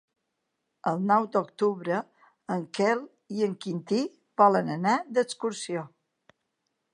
El nou d'octubre en Quel i en Quintí volen anar d'excursió.